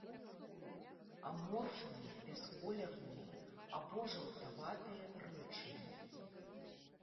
Аморфныя бясколерныя або жаўтаватыя рэчывы.